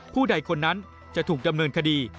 ผู้ใดคนนั้นจะถูกดำเนินคดี